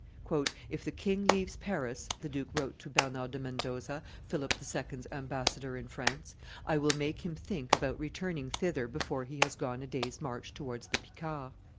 "If the king leaves Paris," the duke wrote to Bernard de Mendoza, Philip II.'s ambassador in France, "I will make him think about returning thither before he has gone a day's march towards the Picards."